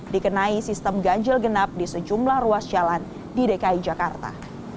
dikenai sistem ganjil genap di sejumlah ruas jalan di dki jakarta